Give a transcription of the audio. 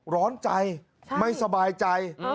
ร้อนใจไม่สบายใจ